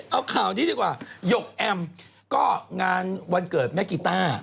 เอาข่าวนี้ดีกว่าหยกแอมก็งานวันเกิดแม่กีต้า